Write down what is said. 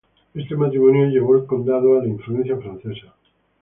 Este matrimonio llevó el condado a la influencia francesa.